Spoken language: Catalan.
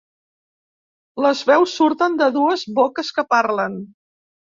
Les veus surten de dues boques que parlen.